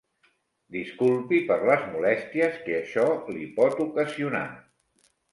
Disculpi per les molèsties que això li pot ocasionar.